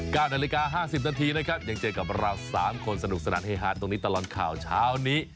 ก้าวนาฬิกา๕๐นาทีนะครับยังเจอกับเรา๓คนสนุกสนัดเฮฮาตตรงนี้ตลอดข่าวเช้านี้